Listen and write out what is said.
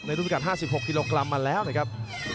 ในรุ่นพี่กันห้าสิบหกกิโลกรัมมาแล้วนะครับ